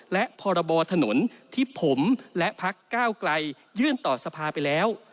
และพรบถนนที่ผมและพักก้าวไกลยื่นต่อสภาไปแล้ว